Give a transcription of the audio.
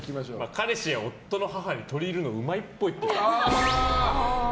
彼氏や夫の母に取り入るのうまいっぽい。